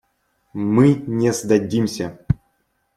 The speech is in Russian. Мы не сдадимся.